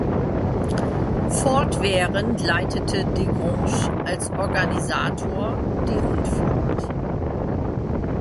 Fortwährend leitete Desgrange als Organisator die Rundfahrt.